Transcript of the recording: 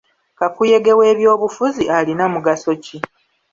Kakuyege w'ebyobufuzi alina mugaso ki?